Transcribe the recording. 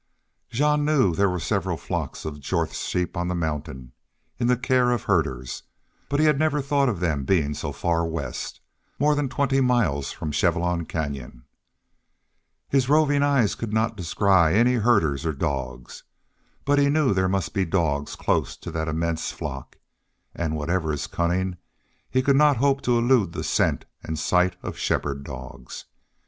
Jean knew there were several flocks of Jorth's sheep on the mountain in the care of herders, but he had never thought of them being so far west, more than twenty miles from Chevelon Canyon. His roving eyes could not descry any herders or dogs. But he knew there must be dogs close to that immense flock. And, whatever his cunning, he could not hope to elude the scent and sight of shepherd dogs.